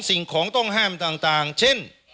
สิ่งของต้องห้ามต่างเช่น